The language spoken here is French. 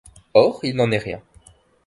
Or, il n’en est rien.